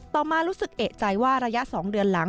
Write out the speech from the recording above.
มารู้สึกเอกใจว่าระยะ๒เดือนหลัง